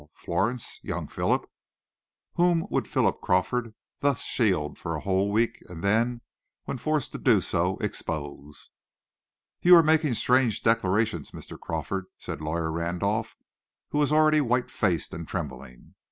Florence? Young Philip? Whom would Philip Crawford thus shield for a whole week, and then, when forced to do so, expose? "You are making strange declarations, Mr. Crawford," said Lawyer Randolph, who was already white faced and trembling.